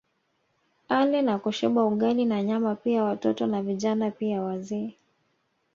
Ale na kushiba Ugali na Nyama pia watoto na Vijana pia wazee